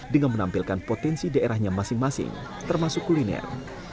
dengan menampilkan potensi daerahnya masing masing termasuk kuliner